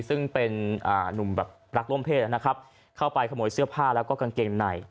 ซึ่งเป็นนุ่มแบบรักร่วมเพศนะครับเข้าไปขโมยเสื้อผ้าแล้วก็กางเกงใน